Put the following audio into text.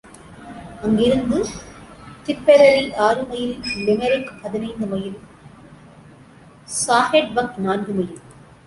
அங்கிருந்து திப்பெரரி ஆறுமைல் லிமெரிக் பதினைந்து மைல் ஸாஹெட்பக் நான்குமைல்.